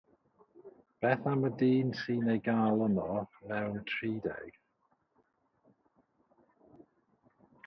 Beth am y dyn sy'n ei gael yno mewn tri deg?